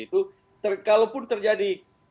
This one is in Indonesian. itu kalaupun terjadi